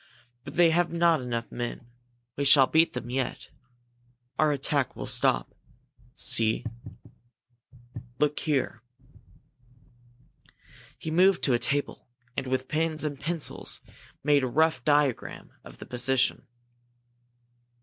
But they have not enough men! We shall beat them yet. Our attack will stop. See look here!" He moved to a table, and with pens and pencils made a rough diagram of the position.